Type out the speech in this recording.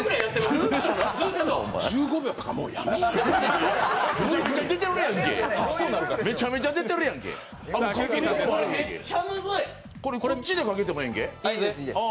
１５秒とか、もうやめようよ。